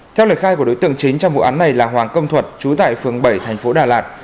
theo lời khai của đối tượng chính trong vụ án này là hoàng công thuật trú tại phường bảy thành phố đà lạt